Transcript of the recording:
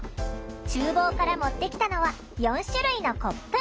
ちゅう房から持ってきたのは４種類のコップ。